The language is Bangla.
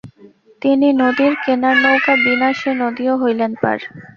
তিনি নদীর কেনারনৌকা বিনা সে নদীও হইলেন পার ।